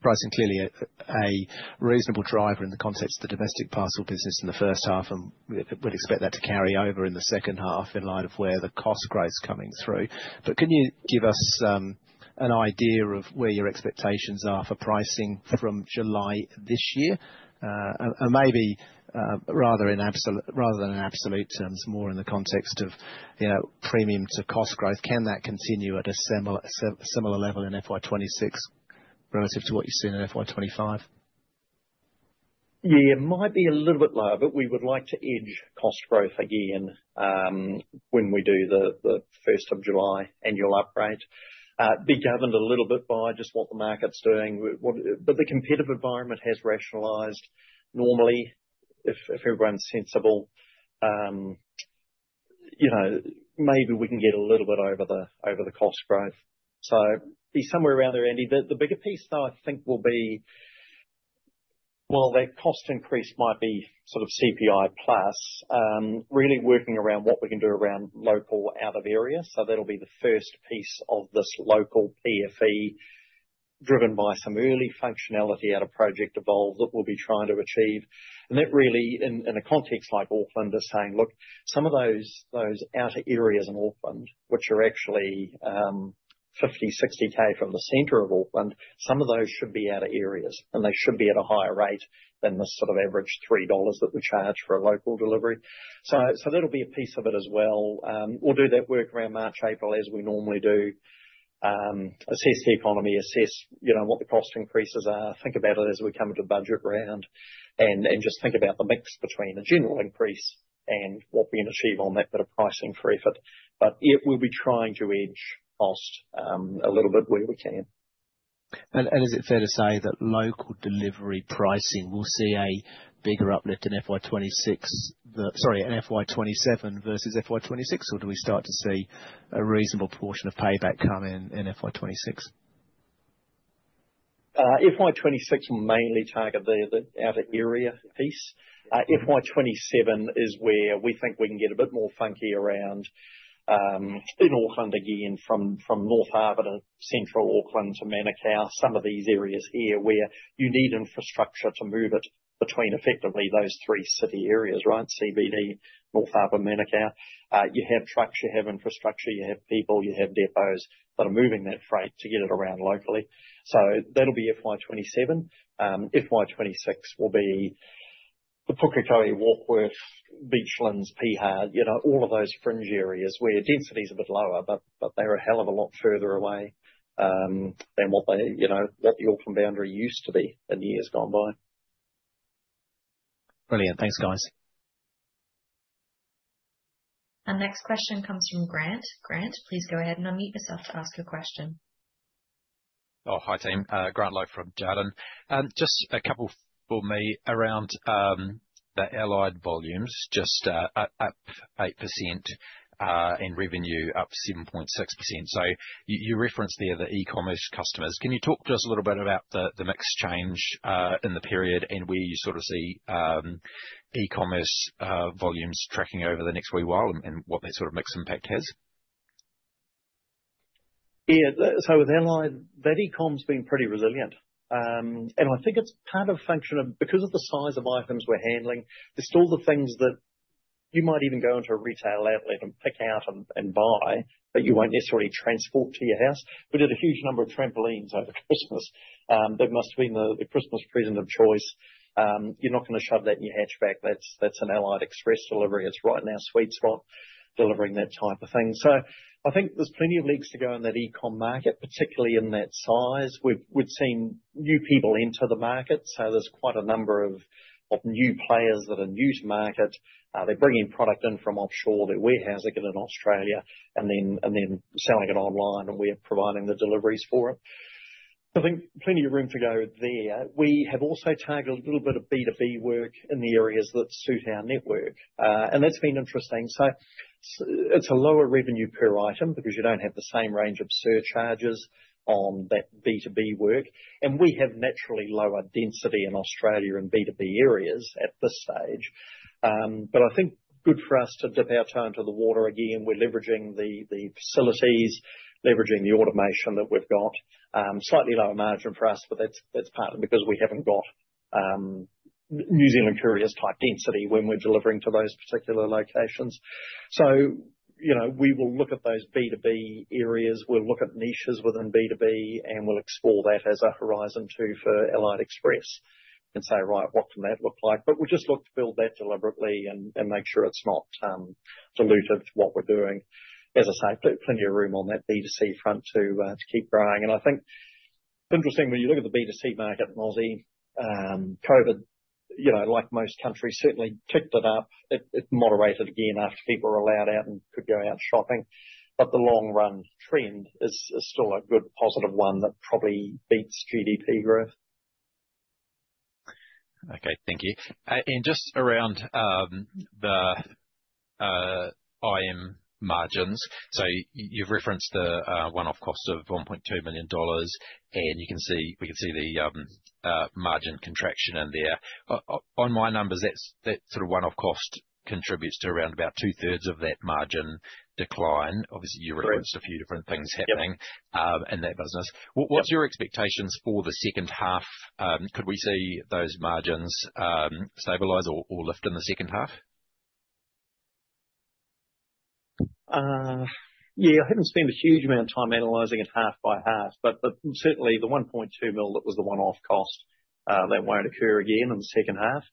Pricing clearly a reasonable driver in the context of the domestic parcel business in the first half, and we'd expect that to carry over in the second half in light of where the cost growth's coming through. But can you give us an idea of where your expectations are for pricing from July this year? And maybe rather than in absolute terms, more in the context of premium to cost growth, can that continue at a similar level in FY26 relative to what you've seen in FY25? Yeah. It might be a little bit lower, but we would like to edge cost growth again when we do the first of July annual upgrade. Be governed a little bit by just what the market's doing. But the competitive environment has rationalized. Normally, if everyone's sensible, maybe we can get a little bit over the cost growth. So be somewhere around there, Andy. The bigger piece, though, I think will be, well, that cost increase might be sort of CPI plus, really working around what we can do around local out-of-area. That'll be the first piece of this local PFE driven by some early functionality out of Project Evolve that we'll be trying to achieve. And that really, in a context like Auckland, is saying, look, some of those out-of-areas in Auckland, which are actually 50 km, 60 km from the center of Auckland, some of those should be out-of-areas, and they should be at a higher rate than the sort of average 3 dollars that we charge for a local delivery. So that'll be a piece of it as well. We'll do that work around March, April, as we normally do. Assess the economy, assess what the cost increases are, think about it as we come into budget round, and just think about the mix between a general increase and what we can achieve on that bit of pricing for effort. But yeah, we'll be trying to hedge costs a little bit where we can. And is it fair to say that local delivery pricing, we'll see a bigger uplift in FY26? Sorry, in FY27 versus FY26, or do we start to see a reasonable portion of payback come in FY26? FY26 will mainly target the out-of-area piece. FY27 is where we think we can get a bit more funky around in Auckland again, from North Harbour to central Auckland to Manukau, some of these areas here where you need infrastructure to move it between effectively those three city areas, right? CBD, North Harbour, Manukau. You have trucks, you have infrastructure, you have people, you have depots that are moving that freight to get it around locally. So that'll be FY27. FY26 will be the Pukekohe, Warkworth, Beachlands, Piha, all of those fringe areas where density is a bit lower, but they're a hell of a lot further away than what the Auckland boundary used to be in years gone by. Brilliant. Thanks, guys. Our next question comes from Grant. Grant, please go ahead and unmute yourself to ask your question. Oh, hi team. Grant Lowe from Jarden. Just a couple for me around the Allied volumes, just up 8% and revenue up 7.6%. So you referenced there the e-commerce customers. Can you talk to us a little bit about the mixed change in the period and where you sort of see e-commerce volumes tracking over the next wee while and what that sort of mixed impact has? Yeah. So with Allied, that e-com's been pretty resilient. I think it's partly a function of because of the size of items we're handling. There's still the things that you might even go into a retail outlet and pick out and buy that you won't necessarily transport to your house. We did a huge number of trampolines over Christmas. That must have been the Christmas present of choice. You're not going to shove that in your hatchback. That's an Allied Express delivery. It's right in our sweet spot delivering that type of thing. So I think there's plenty of legs to go in that e-com market, particularly in that size. We've seen new people enter the market. So there's quite a number of new players that are new to market. They're bringing product in from offshore. They're warehousing it in Australia and then selling it online, and we're providing the deliveries for it. I think plenty of room to go there. We have also targeted a little bit of B2B work in the areas that suit our network, and that's been interesting. It's a lower revenue per item because you don't have the same range of surcharges on that B2B work. We have naturally lower density in Australia in B2B areas at this stage. I think good for us to dip our toe into the water again. We're leveraging the facilities, leveraging the automation that we've got. It's slightly lower margin for us, but that's partly because we haven't got New Zealand Couriers type density when we're delivering to those particular locations. We will look at those B2B areas. We'll look at niches within B2B, and we'll explore that as a horizon too for Allied Express and say, "Right, what can that look like?" But we'll just look to build that deliberately and make sure it's not diluted what we're doing. As I say, plenty of room on that B2C front to keep growing. And I think interesting, when you look at the B2C market, Aussie, COVID, like most countries, certainly ticked it up. It moderated again after people were allowed out and could go out shopping. But the long-run trend is still a good positive one that probably beats GDP growth. Okay. Thank you. And just around the IM margins, so you've referenced the one-off cost of 1.2 million dollars, and we can see the margin contraction in there. On my numbers, that sort of one-off cost contributes to around about two-thirds of that margin decline. Obviously, you referenced a few different things happening in that business. What's your expectations for the second half? Could we see those margins stabilize or lift in the second half? CYeah. I haven't spent a huge amount of time analyzing it half by half, but certainly the 1.2 million that was the one-off cost, that won't occur again in the second half.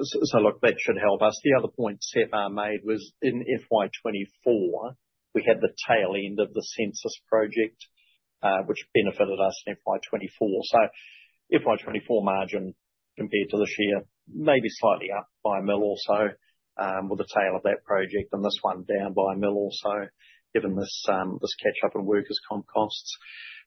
So look, that should help us. The other point Stephan made was in FY24, we had the tail end of the Census project, which benefited us in FY24. So FY24 margin compared to this year, maybe slightly up by a 1 million or so with the tail of that project, and this one down by a 1 million or so given this catch-up and workers' comp costs.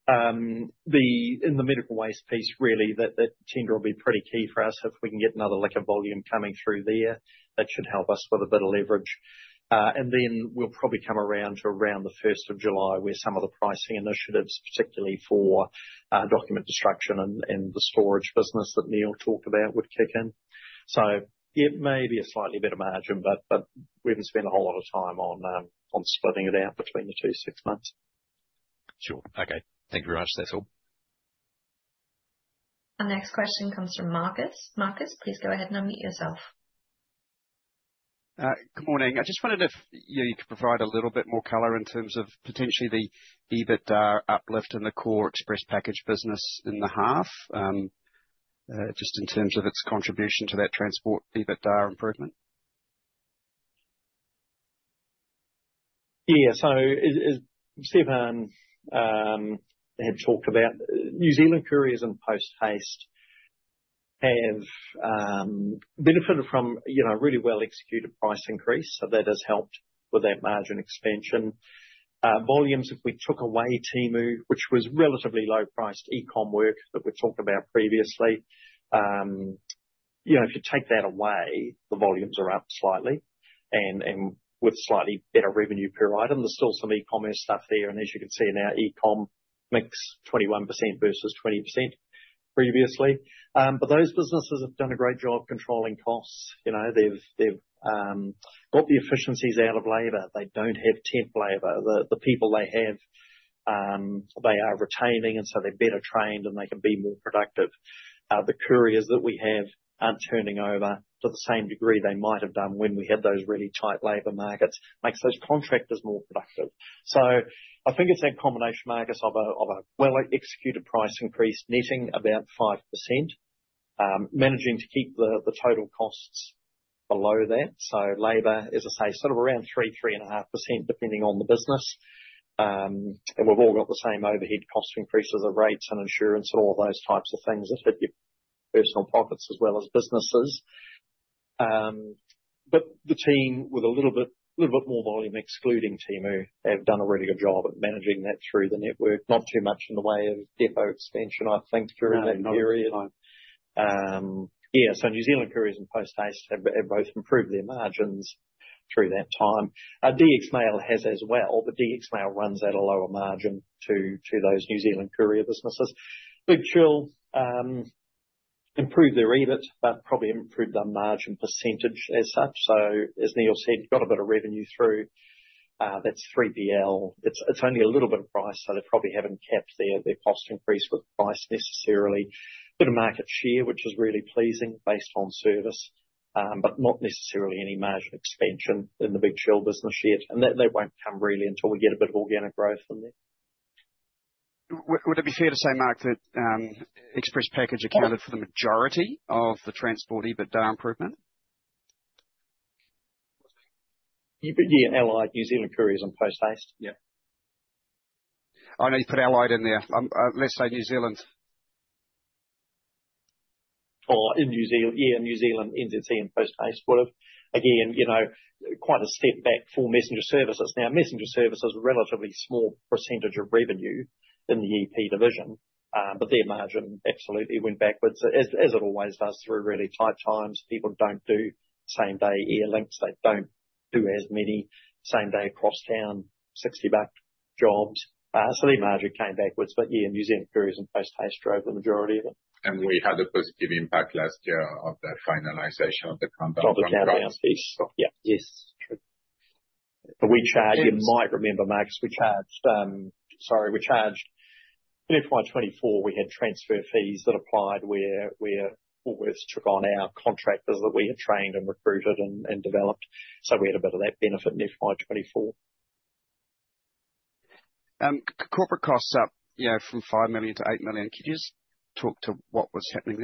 In the medical waste piece, really, that tender will be pretty key for us. If we can get another liquid volume coming through there, that should help us with a bit of leverage, and then we'll probably come around to around the 1st of July where some of the pricing initiatives, particularly for document destruction and the storage business that Neil talked about, would kick in. So it may be a slightly better margin, but we haven't spent a whole lot of time on splitting it out between the two six months. Sure. Okay. Thank you very much. That's all. Our next question comes from Marcus. Marcus, please go ahead and unmute yourself. Good morning. I just wondered if you could provide a little bit more color in terms of potentially the EBITDA uplift in the core express package business in the half, just in terms of its contribution to that transport EBITDA improvement. Yeah. So as Stephan had talked about, New Zealand Couriers and Post Haste have benefited from a really well-executed price increase. So that has helped with that margin expansion. Volumes, if we took away Temu, which was relatively low-priced e-com work that we've talked about previously, if you take that away, the volumes are up slightly. And with slightly better revenue per item, there's still some e-commerce stuff there. And as you can see in our e-com mix, 21% versus 20% previously. But those businesses have done a great job controlling costs. They've got the efficiencies out of labor. They don't have temp labor. The people they have, they are retaining, and so they're better trained, and they can be more productive. The couriers that we have aren't turning over to the same degree they might have done when we had those really tight labor markets. Makes those contractors more productive. I think it's that combination, Marcus, of a well-executed price increase, netting about 5%, managing to keep the total costs below that. Labour, as I say, sort of around 3-3.5%, depending on the business. We've all got the same overhead cost increases of rates and insurance and all of those types of things that hit your personal pockets as well as businesses. But the team with a little bit more volume, excluding Temu, have done a really good job at managing that through the network. Not too much in the way of depot expansion, I think, during that period. Yeah. New Zealand Couriers and Post Haste have both improved their margins through that time. DX Mail has as well, but DX Mail runs at a lower margin to those New Zealand Couriers businesses. Big Chill improved their EBIT, but probably improved their margin percentage as such. So as Neil said, you've got a bit of revenue through. That's 3PL. It's only a little bit of price, so they probably haven't capped their cost increase with price necessarily. Bit of market share, which is really pleasing based on service, but not necessarily any margin expansion in the Big Chill business yet, and that won't come really until we get a bit of organic growth in there. Would it be fair to say, Mark, that Express Package accounted for the majority of the transport EBITDA improvement? Yeah. Allied, New Zealand Couriers, and Post Haste. Yeah. I know you put Allied in there. Let's say New Zealand. Or in New Zealand, Yeah, New Zealand, NZC, and Post Haste would have, again, quite a step back for Messenger Services. Now, Messenger Services are a relatively small percentage of revenue in the EP division, but their margin absolutely went backwards. As it always does through really tight times, people don't do same-day air links. They don't do as many same-day cross-town, 60-buck jobs. So their margin came backwards. But yeah, New Zealand Couriers and Post Haste drove the majority of it. And we had a positive impact last year of that finalization of the contract from Countdown. Yes. True. But we charged, you might remember, Marcus, we charged, sorry, we charged in FY24. We had transfer fees that applied where we took on our contractors that we had trained and recruited and developed. So we had a bit of that benefit in FY24. Corporate costs up from 5 million to 8 million. Could you just talk to what was happening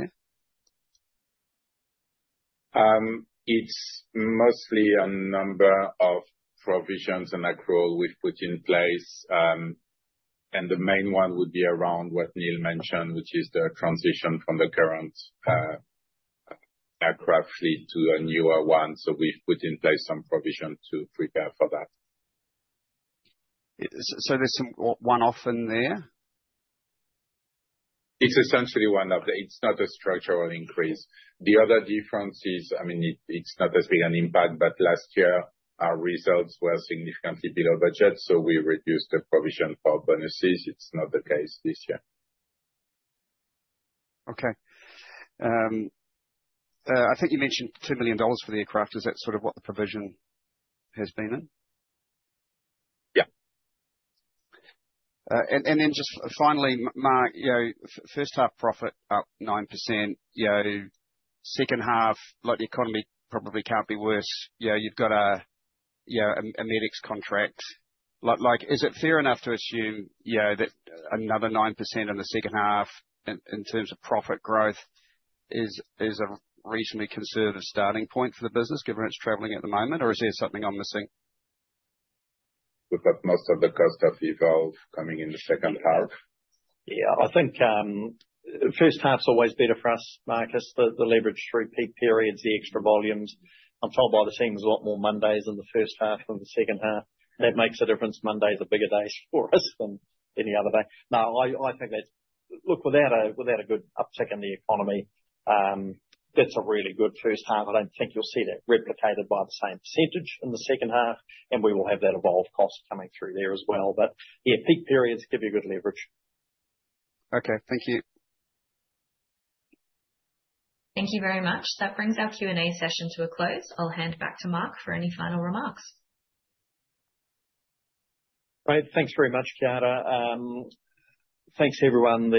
there? It's mostly a number of provisions and accrual we've put in place. And the main one would be around what Neil mentioned, which is the transition from the current aircraft fleet to a newer one. So we've put in place some provision to prepare for that. So there's some one-off in there? It's essentially one-off. It's not a structural increase. The other difference is, I mean, it's not as big an impact, but last year, our results were significantly below budget, so we reduced the provision for bonuses. It's not the case this year. Okay. I think you mentioned 2 million dollars for the aircraft. Is that sort of what the provision has been in? Yeah. And then just finally, Mark, first half profit up 9%. Second half, the economy probably can't be worse. You've got a Med-X contract. Is it fair enough to assume that another 9% in the second half in terms of profit growth is a reasonably conservative starting point for the business, given it's travelling at the moment? Or is there something I'm missing? We've got most of the cost of Evolve coming in the second half. Yeah. I think first half's always better for us, Marcus. The leverage through peak periods, the extra volumes. I'm told by the team there's a lot more Mondays in the first half than the second half. That makes a difference. Mondays are bigger days for us than any other day. No, I think that's, look, without a good uptick in the economy, that's a really good first half. I don't think you'll see that replicated by the same percentage in the second half, and we will have that Evolve cost coming through there as well. But yeah, peak periods give you good leverage. Okay. Thank you. Thank you very much. That brings our Q&A session to a close. I'll hand back to Mark for any final remarks. Great. Thanks very much, Chiara. Thanks, everyone. The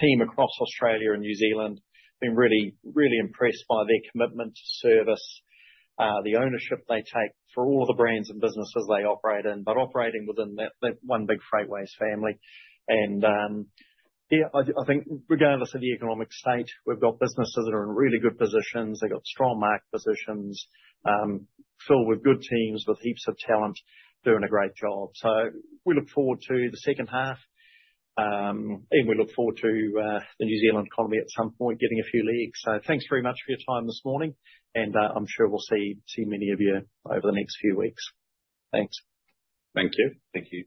team across Australia and New Zealand have been really, really impressed by their commitment to service, the ownership they take for all of the brands and businesses they operate in, but operating within that one big Freightways family. And yeah, I think regardless of the economic state, we've got businesses that are in really good positions. They've got strong market positions, filled with good teams with heaps of talent doing a great job. So we look forward to the second half. And we look forward to the New Zealand economy at some point getting a few legs. So thanks very much for your time this morning. And I'm sure we'll see many of you over the next few weeks. Thanks. Thank you. Thank you.